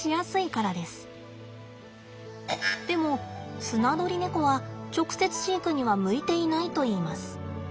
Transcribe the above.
でもスナドリネコは直接飼育には向いていないといいます。